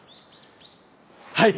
はい！